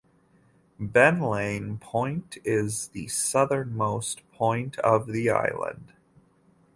Benlein Point is the southernmost point of the island.